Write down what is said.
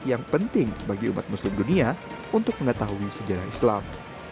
yang penting bagi umat muslim dunia untuk mengetahui sejarah islam